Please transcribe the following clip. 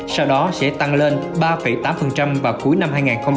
sau đó sẽ tăng lên ba tám vào cuối năm hai nghìn hai mươi